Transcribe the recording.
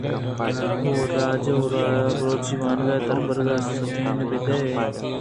ءُ راج ءَ بلوچی وانگ ءُ دربرگ ءِ سکین بہ دے ایں۔